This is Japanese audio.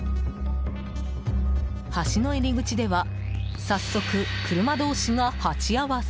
橋の入口では早速、車同士が鉢合わせ。